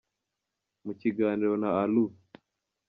Mu kiganiro na Alu.